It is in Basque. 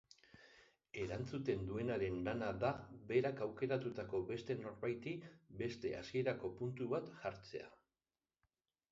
Erantzuten duenaren lana da berak aukeratutako beste norbaiti beste hasierako puntu bat jartzea.